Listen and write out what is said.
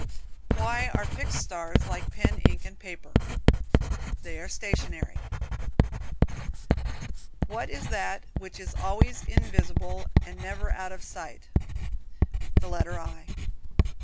Why are fixed stars like pen, ink and paper? They are stationary (stationery). What is that which is always invisible and never out of sight? The letter I.